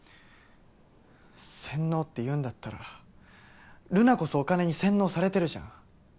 「洗脳」って言うんだったら留奈こそお金に洗脳されてるじゃん。